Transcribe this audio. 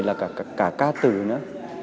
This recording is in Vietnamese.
là cả ca từ nữa